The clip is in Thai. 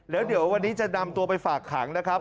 แล้วเดี๋ยววันนี้จะนำตัวไปฝากขังนะครับ